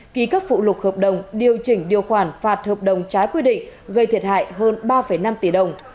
ký các phụ lục hợp đồng điều chỉnh điều khoản phạt hợp đồng trái quy định gây thiệt hại hơn ba năm tỷ đồng